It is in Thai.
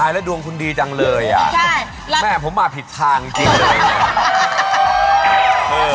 รายและดวงคุณดีจังเลยอะแม่ผมมาผิดทางจริงอะไรอย่างนี้